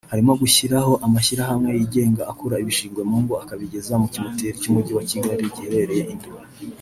harimo gushyiraho amashyirahamwe yigenga akura ibishingwe mu ngo akabigeza mu kimoteri cy’Umujyi wa Kigali giherereye i Nduba